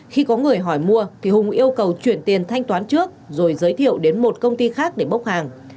khi có người hỏi mua thì hùng yêu cầu chuyển tiền thanh toán trước rồi giới thiệu đến một công ty khác để bốc hàng